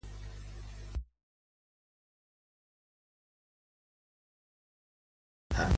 A més, mastegar l'escorça alleugerix el mal de queixal.